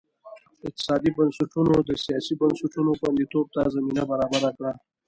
اقتصادي بنسټونو د سیاسي بنسټونو خوندیتوب ته زمینه برابره کړه.